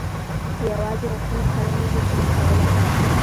خو يوازې غوښتنه سړی نه شي شتمن کولای.